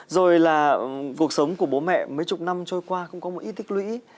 rồi là cuộc sống của bố mẹ mấy chục năm trôi qua cũng có một ít tích lũy